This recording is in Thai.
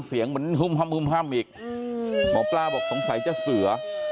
เสียงเหมือนหุ่มหัมหุ่มหัมอีกหมอปลาบอกสงสัยจะเสื่อ